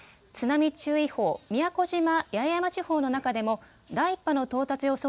津波注意報、宮古島・八重山地方の中でも第１波の到達予想